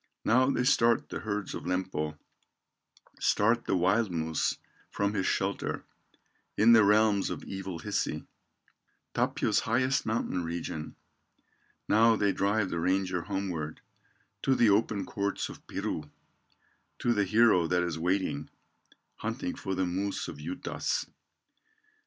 Now they start the herds of Lempo, Start the wild moose from his shelter, In the realms of evil Hisi, Tapio's highest mountain region; Now they drive the ranger homeward, To the open courts of Piru, To the hero that is waiting, Hunting for the moose of Juutas.